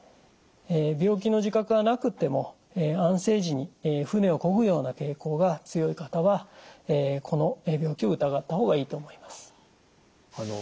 病気の自覚がなくても安静時に船をこぐような傾向が強い方はこの病気を疑った方がいいと思います。